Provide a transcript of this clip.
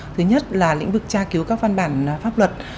thứ nhất là lĩnh vực tra cứu các văn bản pháp luật